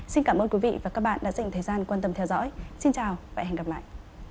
xin cảm ơn quý vị và các bạn đã dành thời gian quan tâm theo dõi xin chào và hẹn gặp lại